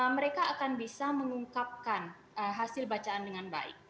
mereka akan bisa mengungkapkan hasil bacaan dengan baik